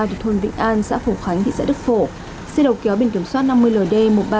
thủ thôn vĩnh an xã phổ khánh thị xã đức phổ xe đầu kéo bình kiểm soát năm mươi ld một mươi ba nghìn ba trăm năm mươi bốn